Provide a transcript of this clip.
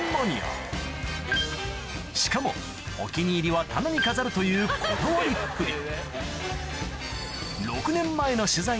しかもお気に入りは棚に飾るというこだわりっぷり